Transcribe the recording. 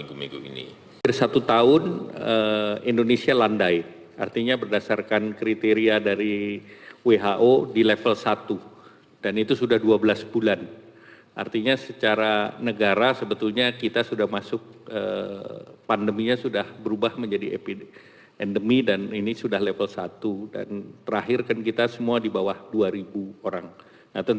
kita harapkan segera sudah saya dapatkan